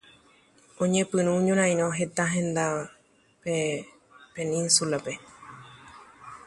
Rompieron las hostilidades en varios puntos de la península.